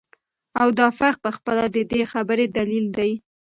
او دافرق په خپله ددي خبري دليل دى